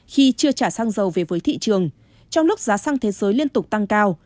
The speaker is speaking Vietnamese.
khi chưa trả sang dầu về với thị trường trong lúc giá sang thế giới liên tục tăng cao